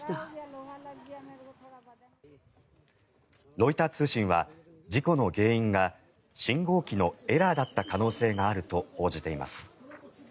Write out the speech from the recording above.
ロイター通信は事故の原因が信号機のエラーだった可能性があると報じています。